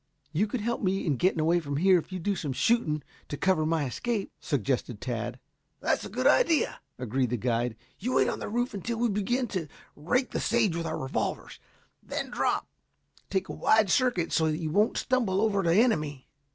"You can help me in getting away from here, if you will do some shooting to cover my escape," suggested Tad. "That's a good idea," agreed the guide. "You wait on the roof until we begin to rake the sage with our revolvers. Then drop. Take a wide circuit, so that you won't stumble over the enemy."